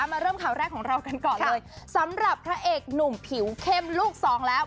มาเริ่มข่าวแรกของเรากันก่อนเลยสำหรับพระเอกหนุ่มผิวเข้มลูกสองแล้ว